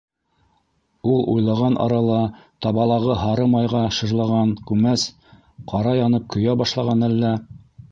Ул уйлаған арала табалағы һары майға шыжлаған күмәс ҡара янып көйә башлаған әллә?